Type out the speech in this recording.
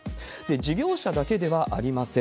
事業者だけではありません。